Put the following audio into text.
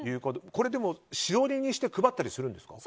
これでも、しおりにして配ったりするんですか？